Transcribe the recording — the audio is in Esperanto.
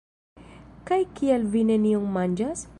Kaj kial vi nenion manĝas?